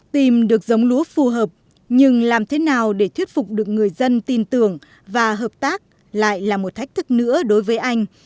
tìm được giống lúa phù hợp nhưng làm thế nào để thuyết phục được người dân tin tưởng và hợp tác lại là một thách thức nữa đối với anh